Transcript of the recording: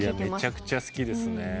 めちゃくちゃ好きですね。